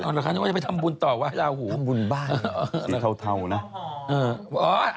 หนักคนล่ะครับจะไปทำบุญต่อวะจะอาหูบ้า